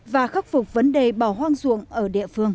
và khắc phục vấn đề bảo hoang dụng ở địa phương